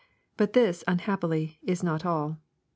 — But this, unhappily, is not all.